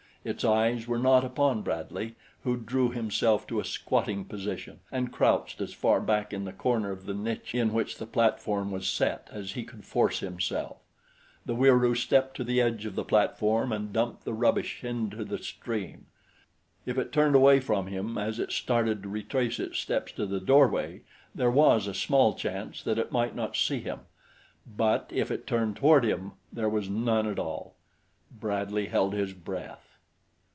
Its eyes were not upon Bradley, who drew himself to a squatting position and crouched as far back in the corner of the niche in which the platform was set as he could force himself. The Wieroo stepped to the edge of the platform and dumped the rubbish into the stream. If it turned away from him as it started to retrace its steps to the doorway, there was a small chance that it might not see him; but if it turned toward him there was none at all. Bradley held his breath.